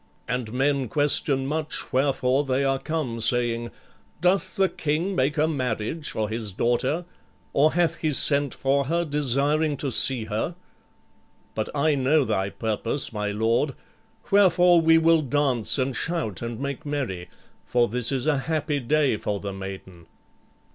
And men question much wherefore they are come, saying. 'Doth the king make a marriage for his daughter; or hath he sent for her, desiring to see her?' But I know thy purpose, my lord; wherefore we will dance and shout and make merry, for this is a happy day for the maiden."